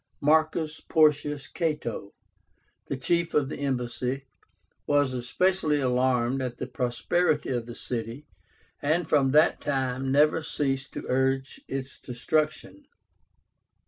MARCUS PORCIUS CATO, the chief of the embassy, was especially alarmed at the prosperity of the city, and from that time never ceased to urge its destruction.